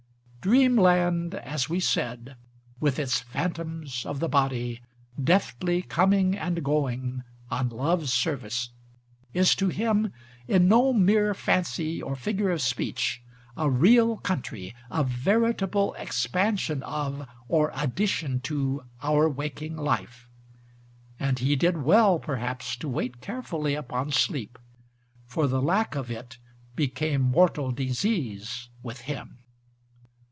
Dream land, as we said, with its "phantoms of the body," deftly coming and going on love's service, is to him, in no mere fancy or figure of speech, a real country, a veritable expansion of, or addition to, our waking life; and he did well perhaps to wait carefully upon sleep, for the lack of it became mortal disease with him.